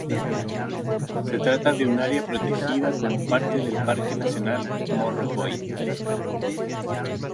Se trata de un área protegida como parte del Parque nacional Morrocoy.